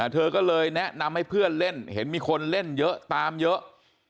เธอก็เลยแนะนำให้เพื่อนเล่นเห็นมีคนเล่นเยอะตามเยอะ